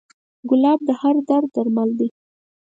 ګلاب د هر درد درمل دی.